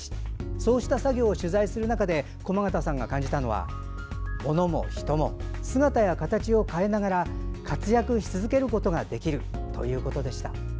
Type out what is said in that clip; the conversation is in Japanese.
そうした作業を取材する中で感じたのは物も人も、姿や形を変えながら活躍し続けることができるということでした。